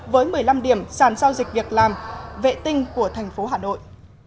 với một mươi năm điểm sàn giao dịch việc làm vệ tinh của thành phố hà nội